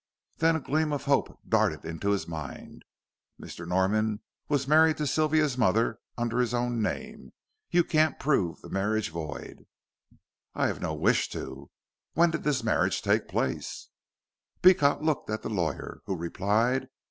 Then a gleam of hope darted into his mind. "Mr. Norman was married to Sylvia's mother under his own name. You can't prove the marriage void." "I have no wish to. When did this marriage take place?" Beecot looked at the lawyer, who replied.